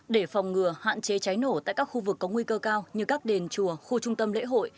để phòng ngừa hạn chế cháy nổ tại các khu vực có nguy cơ cao như các đền chùa khu trung tâm lễ hội